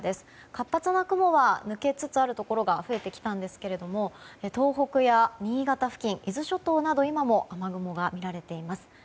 活発な雲は抜けつつあるところが増えてきたんですけれども東北や新潟付近、伊豆諸島など今もまだ雨雲が見られています。